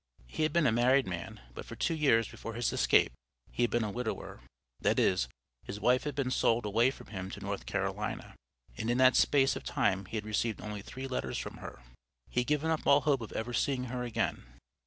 He had been a married man, but for two years before his escape, he had been a widower that is, his wife had been sold away from him to North Carolina, and in that space of time he had received only three letters from her; he had given up all hope of ever seeing her again.